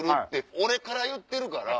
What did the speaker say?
俺から言ってるから。